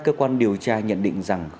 cơ quan điều tra nhận định rằng